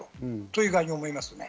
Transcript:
という具合に思いますね。